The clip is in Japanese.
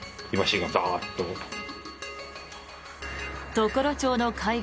常呂町の海岸